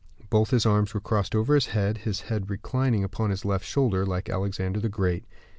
Both his arms were crossed over his head, his head reclining upon his left shoulder, like Alexander the Great.